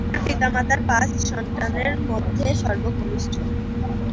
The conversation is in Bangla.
তিনি তার পিতামাতার পাঁচ সন্তানের মধ্যে সর্বকনিষ্ঠ।